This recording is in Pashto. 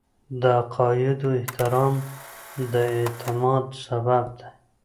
د عقایدو احترام د اعتماد سبب دی.